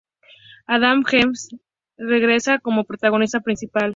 Adam Jensen regresa como protagonista principal.